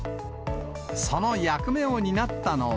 その役目を担ったのは。